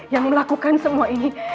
yang melakukan semua ini